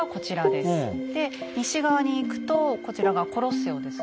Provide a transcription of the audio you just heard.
で西側に行くとこちらがコロッセオですね。